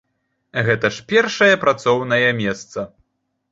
Гэта ж першае працоўнае месца.